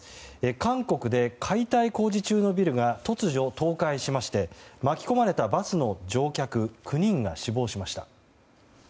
韓国で解体工事中のビルが突如、倒壊しまして巻き込まれたバスの乗客９人が死亡しました。